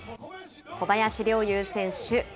小林陵侑選手。